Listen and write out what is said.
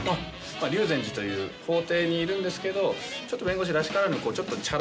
龍禅寺という法廷にいるんですけどちょっと弁護士らしからぬ。